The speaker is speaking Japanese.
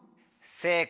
正解！